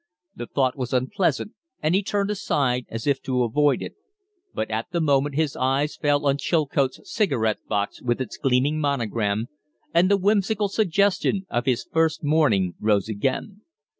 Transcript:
The thought was unpleasant, and he turned aside as if to avoid it; but at the movement his eyes fell on Chilcote's cigarette box with its gleaming monogram, and the whimsical suggestion of his first morning rose again.